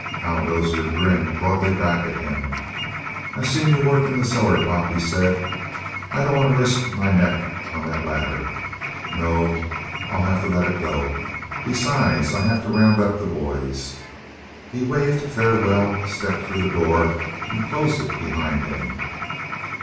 Hal Dozier grinned broadly back at him. "I've seen your work in the cellar, Pop," he said. "I don't want to risk my neck on that ladder. No, I'll have to let it go. Besides, I'll have to round up the boys." He waved farewell, stepped through the door, and closed it behind him.